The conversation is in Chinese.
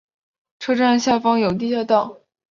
车站下方有地下道。